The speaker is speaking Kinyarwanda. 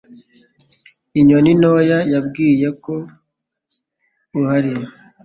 Inyoni ntoya yambwiye ko uhari.